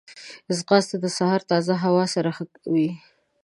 ځغاسته د سهار تازه هوا سره ښه وي